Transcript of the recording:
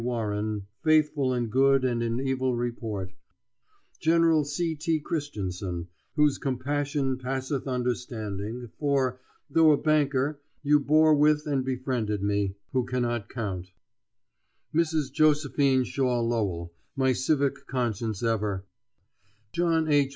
Warren, faithful in good and in evil report; General C. T. Christensen, whose compassion passeth understanding, for, though a banker, you bore with and befriended me, who cannot count; Mrs. Josephine Shaw Lowell, my civic conscience ever; John H.